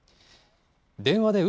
電話でう